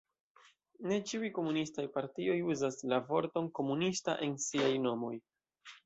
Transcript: Ne ĉiuj komunistaj partioj uzas la vorton "komunista" en siaj nomoj.